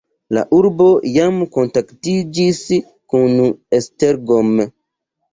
La urbo jam kontaktiĝis kun Esztergom.